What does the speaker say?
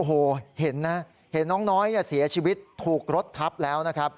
โอ้โฮเห็นน้องน้อยเสียชีวิตถูกรถทับแล้ว